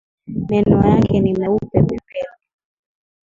Meno yake ni meupe pepepe